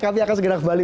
kami akan segera kembali